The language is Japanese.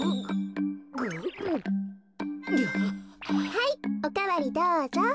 はいおかわりどうぞ。